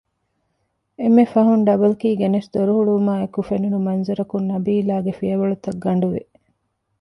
އެންމެފަހުން ޑަބަލްކީ ގެނެސް ދޮރުހުޅުވުމާއެކު ފެނުނު މަންޒަރަކުން ނަބީލާގެ ފިޔަވަޅުތަށް ގަނޑުވި